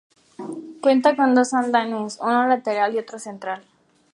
Cuenta con dos andenes, uno lateral y otro central.